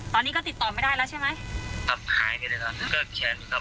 ตอนนี้ก็ติดต่อไม่ได้แล้วใช่ไหมหายได้แล้วก็แค่นี้ครับ